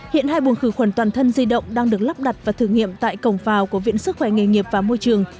hiện hai buồng khử khuẩn toàn thân di động đang được lắp đặt và thử nghiệm tại cổng phào của viện sức khỏe nghề nghiệp và môi trường